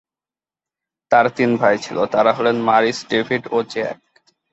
তার তিন ভাই ছিল, তারা হলেন মরিস, ডেভিড ও জ্যাক।